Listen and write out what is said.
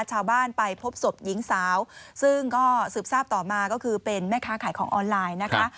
ชาวบ้านไปพบศพหญิงสาวซึ่งก็สืบทราบต่อมาก็คือเป็นแม่ค้าขายของออนไลน์นะคะ